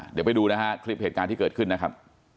เดี๋ยวไปดูนะฮะคลิปเหตุการณ์ที่เกิดขึ้นนะครับ